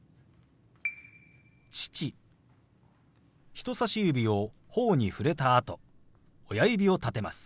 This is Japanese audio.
人さし指をほおに触れたあと親指を立てます。